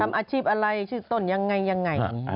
อาชีพอะไรชื่อต้นยังไงยังไง